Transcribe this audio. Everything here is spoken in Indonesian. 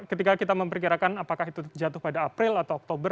ketika kita memperkirakan apakah itu jatuh pada april atau oktober